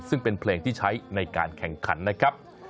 ซึ่งเป็นเพลงที่ใช้ในการแข่งขันนะครับ